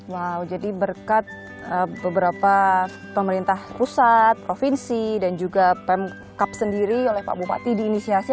wow jadi berkat beberapa pemerintah pusat provinsi dan juga pemkap sendiri oleh pak bupati diinisiasi